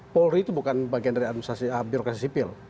polri itu bukan bagian dari birokrasi sipil